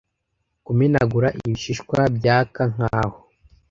Kumenagura ibishishwa-byaka, nkaho